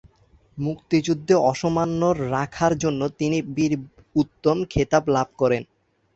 মুক্তিযুদ্ধে অসামান্য রাখার জন্য তিনি বীর উত্তম খেতাব লাভ করেন।